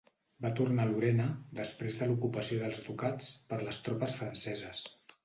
Va tornar a Lorena després de l'ocupació dels ducats per les tropes franceses.